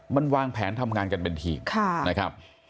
มันวางแผนทำงานกันเป็นทีมนะครับ